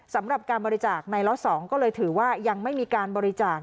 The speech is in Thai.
สำหรับการบริจาคในล็อต๒ก็เลยถือว่ายังไม่มีการบริจาค